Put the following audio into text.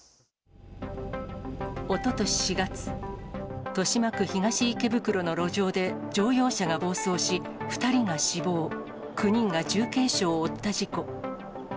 おととし４月、豊島区東池袋の路上で乗用車が暴走し、２人が死亡、９人が重軽傷を負った事故。